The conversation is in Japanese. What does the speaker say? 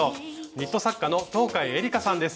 ニット作家の東海えりかさんです。